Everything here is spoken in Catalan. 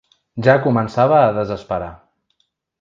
Ja començava a desesperar.